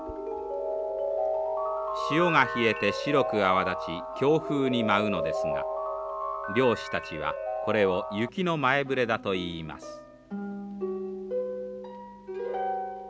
潮が冷えて白く泡立ち強風に舞うのですが漁師たちはこれを雪の前触れだと言います。